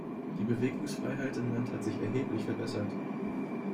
Die Bewegungsfreiheit im Land hat sich erheblich verbessert.